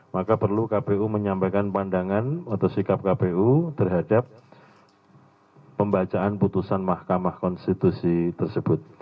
maka perlu kpu menyampaikan pandangan atau sikap kpu terhadap pembacaan putusan mahkamah konstitusi tersebut